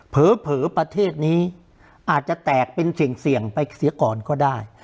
เผลอประเทศนี้อาจจะแตกเป็นเสี่ยงไปเสียก่อนก็ได้